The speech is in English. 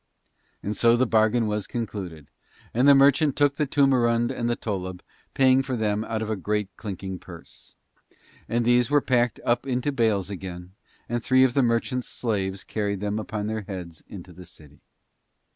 And so the bargain was concluded, and the merchant took the toomarund and tollub, paying for them out of a great clinking purse. And these were packed up into bales again, and three of the merchant's slaves carried them upon their heads into the city.